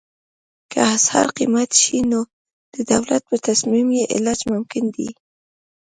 که اسعار قیمته شي نو د دولت په تصمیم یې علاج ممکن دی.